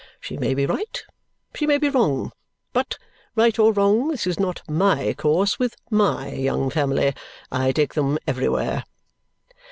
She may be right, she may be wrong; but, right or wrong, this is not my course with MY young family. I take them everywhere."